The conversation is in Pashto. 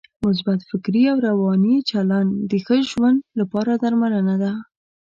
مثبت فکري او روانی چلند د ښه ژوند لپاره درملنه ده.